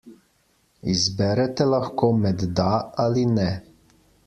Izberete lahko med da ali ne.